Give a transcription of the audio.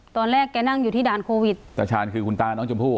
แกนั่งอยู่ที่ด่านโควิดตาชาญคือคุณตาน้องชมพู่